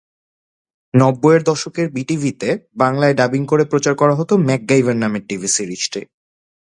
নব্বইয়ের দশকের বিটিভিতে বাংলায় ডাবিং করে প্রচার করা হতো ম্যাকগাইভার নামের টিভি সিরিজটি।